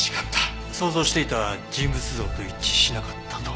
想像していた人物像と一致しなかったと？